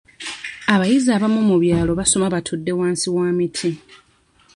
Abayizi abamu mu byalo basoma batudde wansi wa miti.